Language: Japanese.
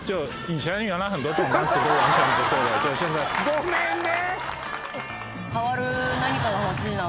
ごめんね。